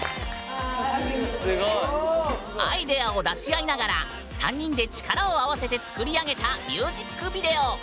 アイデアを出し合いながら３人で力を合わせて作り上げたミュージックビデオ。